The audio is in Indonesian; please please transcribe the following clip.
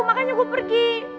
makanya gue pergi